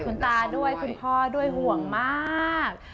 คุณพ่อด้วยห่วงมาก